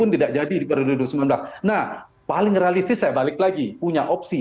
tidak ada opsi